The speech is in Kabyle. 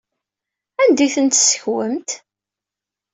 Anda ay tent-tessekwemt?